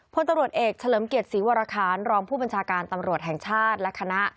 พลตำรวจเอกเฉลิมเกียรติศรีวรคารรองผู้บัญชาการตำรวจแห่งชาติและคณะ